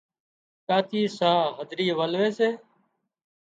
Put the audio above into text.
ڪاچي ساهََه هڌرِي ولوي سي